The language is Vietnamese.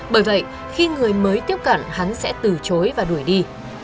bởi vậy khi người mới tiếp cận hắn sẽ từ chối và đuổi đi